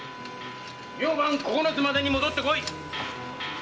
明晩九つまでに戻ってこい！